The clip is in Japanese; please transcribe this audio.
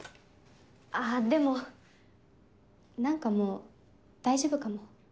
あぁでも何かもう大丈夫かも。